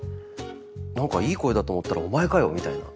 「何かいい声だと思ったらお前かよ」みたいな。